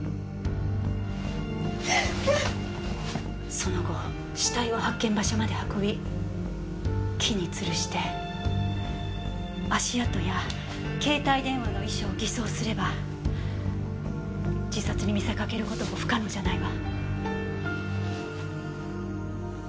その後死体を発見場所まで運び木につるして足跡や携帯電話の遺書を偽装すれば自殺に見せかける事も不可能じゃないわ。